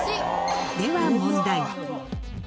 では問題。